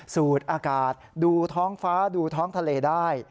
สูดอากาศดูท้องฟ้าดูท้องทะเลได้